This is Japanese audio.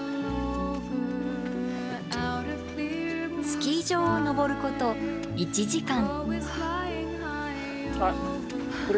スキー場を登ること１時間。